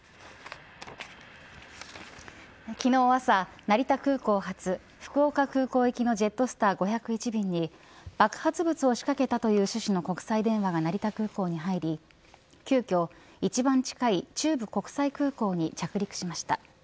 昨日朝成田空港発、福岡空港行きのジェットスター５０１便に爆発物を仕掛けたという趣旨の国際電話が成田空港に入り急きょ、一番近い中部国際空港に着陸しました。